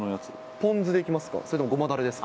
ポン酢でいきますか？